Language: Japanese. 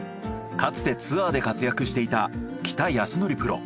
かつてツアーで活躍していた喜多康範プロ。